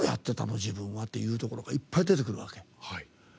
自分はというところがいっぱい出てくるわけ。